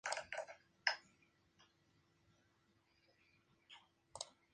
La convergencia anterior debe considerarse como convergencia en probabilidad.